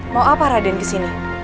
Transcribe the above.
mau apa raden kesini